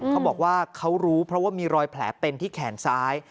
เขาบอกว่าเขารู้เพราะว่ามีรอยแผลเป็นที่แขนซ้าย